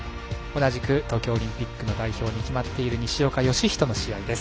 同じく東京オリンピックの代表に決まっている西岡良仁の試合です。